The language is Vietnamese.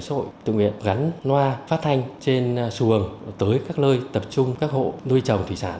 bảo hiểm xã hội tự nguyện gắn loa phát thanh trên xuồng tới các lơi tập trung các hộ nuôi trồng thủy sản